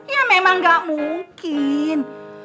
ya memang gak mungkin